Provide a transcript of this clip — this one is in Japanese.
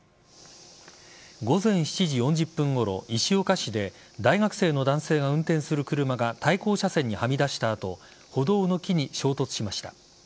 午前７時４０分ごろ、石岡市で大学生の男性が運転する車が対向車線にはみ出した後歩道の木に衝突しました。